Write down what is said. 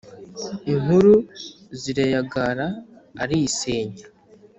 Inkuku zirayagara arisenya